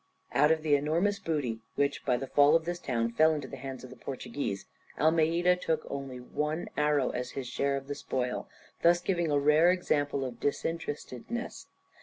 Out of the enormous booty, which by the fall of this town fell into the hands of the Portuguese, Almeida only took one arrow as his share of the spoil, thus giving a rare example of disinterestedness.